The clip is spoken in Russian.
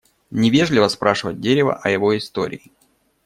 Невежливо спрашивать дерево о его истории.